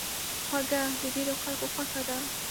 خوږه د ډېرو خلکو خوښه ده.